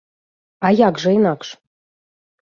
А як жа інакш?